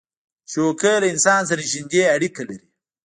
چوکۍ له انسان سره نزدې اړیکه لري.